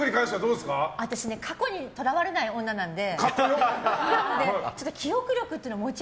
私過去にとらわれない女なので。